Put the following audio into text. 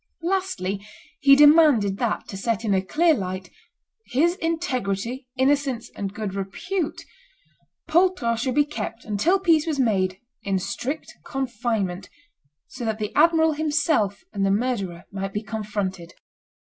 Lastly, he demanded that, to set in a clear light "his integrity, innocence, and good repute," Poltrot should be kept, until peace was made, in strict confinement, so that the admiral himself and the murderer might be confronted.